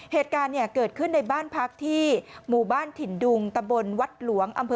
เหตุการณ์เนี่ยเกิดขึ้นในบ้านพักที่หมู่บ้านถิ่นดุงตะบนวัดหลวงอำเภอ